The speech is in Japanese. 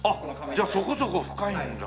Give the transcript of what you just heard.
じゃあそこそこ深いんだ。